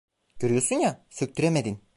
Görüyorsun ya, söktüremedin.